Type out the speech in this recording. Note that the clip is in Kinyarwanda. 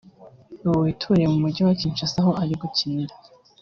ubu wituriye mu mujyi wa Kinshasa aho ari gukinira